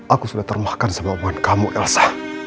aku sudah termahkan sebab umat kamu elsa